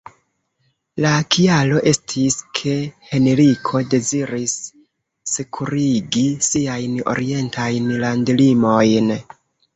La kialo estis ke Henriko deziris sekurigi siajn orientajn landlimojn.